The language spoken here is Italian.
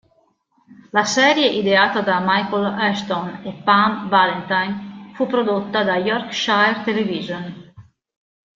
La serie, ideata da Michael Ashton e Pam Valentine, fu prodotta da Yorkshire Television.